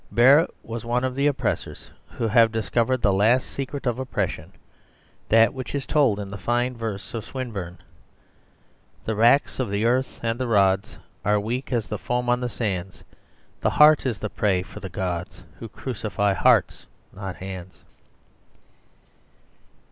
Barrett was one of the oppressors who have discovered the last secret of oppression, that which is told in the fine verse of Swinburne: "The racks of the earth and the rods Are weak as the foam on the sands; The heart is the prey for the gods, Who crucify hearts, not hands."